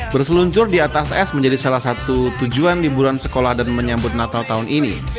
berseluncur di atas es menjadi salah satu tujuan liburan sekolah dan menyambut natal tahun ini